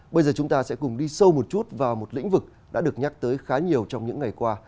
bây giờ chúng ta sẽ cùng đi sâu một chút vào một lĩnh vực đã được nhắc tới khá nhiều trong những ngày qua